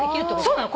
そうなの。